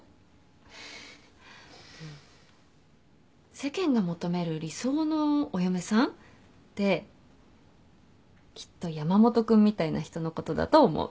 世間が求める理想のお嫁さんってきっと山本君みたいな人のことだと思う。